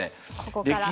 ここから。